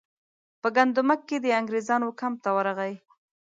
په ګندمک کې د انګریزانو کمپ ته ورغی.